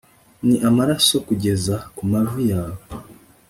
Ni amaraso kugeza kumavi yawe